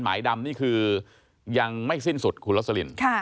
หมายแดงก็คือ